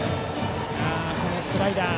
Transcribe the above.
このスライダー。